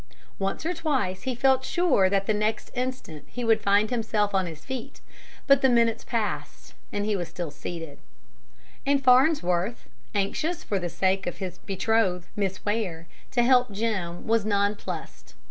Once or twice he felt sure that the next instant he would find himself on his feet, but the minutes passed and he still was seated. And Farnsworth, anxious, for the sake of his betrothed, Miss Ware, to help Jim, was nonplussed.